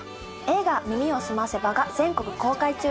映画「耳をすませば」が全国公開中です。